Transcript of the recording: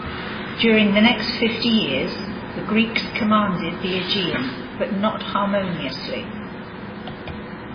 During the next fifty years, the Greeks commanded the Aegean, but not harmoniously.